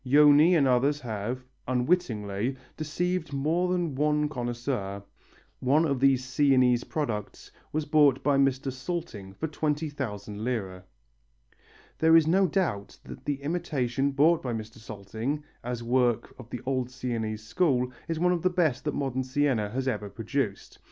Joni and others have, unwittingly, deceived more than one connoisseur. One of these Sienese products was bought by Mr. Salting for twenty thousand lire. There is no doubt that the imitation bought by Mr. Salting as work of the old Sienese school is one of the best that modern Siena has ever produced.